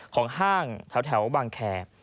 ของห้างแถวบางแคร์